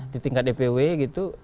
di tingkat dpw gitu